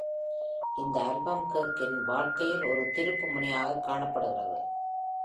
இந்த ஆல்பம் கேக்கின் வாழ்க்கையில் ஒரு திருப்புமுனையாகக் காணப்படுகிறது.